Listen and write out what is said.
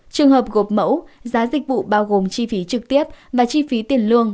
trường hợp gộp mẫu giá dịch vụ bao gồm chi phí trực tiếp và chi phí tiền lương